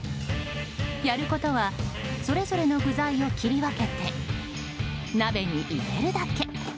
やることはそれぞれの具材を切り分けて鍋に入れるだけ。